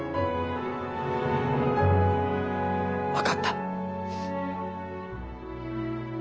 分かった。